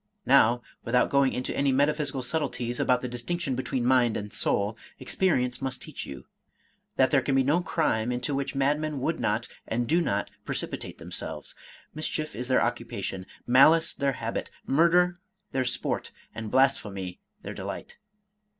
Now, without going into any metaphysical subtleties about the distinction between mind and soul, experience must teach you, that there can be no crime into which madmen would not, and do not, precipitate themselves; mischief is their occupation, malice their habit, murder their sport, and blasphemy their delight.